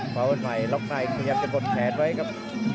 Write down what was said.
ภาวน์ใหม่ล็อกไนก์ยับจะกดแขนไว้ครับ